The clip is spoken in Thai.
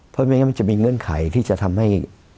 เพราะไม่งั้นมันจะมีเงื่อนไขที่จะทำให้